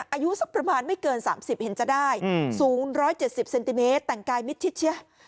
อายุสักประมาณไม่เกินสามสิบเห็นจะได้สูงร้อยเจ็ดสิบเซนติเมตรแต่งกายมิดชิดเชียะ